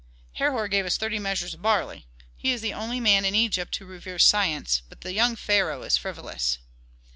"Herhor gave us thirty measures of barley. He is the only man in Egypt who reveres science, but the young pharaoh is frivolous."